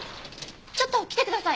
ちょっと来てください！